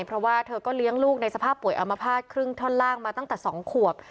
เพราะว่าเธอก็เลี้ยงลูกในสภาพป่วยอมภาษณครึ่งท่อนล่างมาตั้งแต่๒ขวบ